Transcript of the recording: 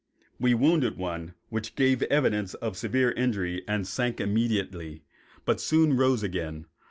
We wounded one which gave evidence of severe injury and sank immediately, but soon rose again.